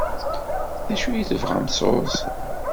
D acu i tebɣamt sɣur-sen?